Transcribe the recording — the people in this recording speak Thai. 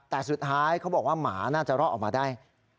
แต่สุดท้ายเขาบอกว่าหมาน่าจะรอดออกมาได้